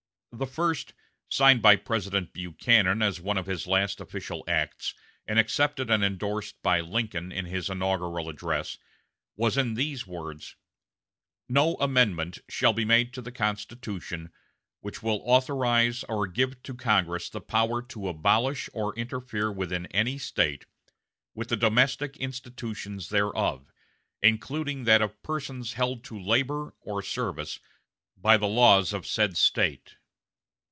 The first, signed by President Buchanan as one of his last official acts, and accepted and indorsed by Lincoln in his inaugural address, was in these words: "No amendment shall be made to the Constitution which will authorize or give to Congress the power to abolish or interfere within any State with the domestic institutions thereof, including that of persons held to labor or service by the laws of said State."